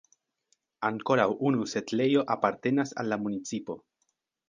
Ankoraŭ unu setlejo apartenas al la municipo.